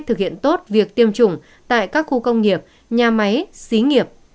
thực hiện tốt việc tiêm chủng tại các khu công nghiệp nhà máy xí nghiệp